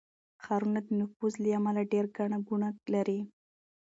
ښارونه د نفوس له امله ډېر ګڼه ګوڼه لري.